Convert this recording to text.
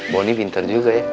bonny pinter juga ya